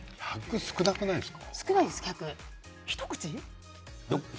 少なくないですか？